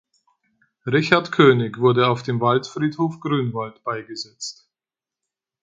Richard König wurde auf dem Waldfriedhof Grünwald beigesetzt.